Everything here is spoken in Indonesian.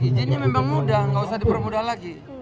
izinnya memang mudah nggak usah dipermudah lagi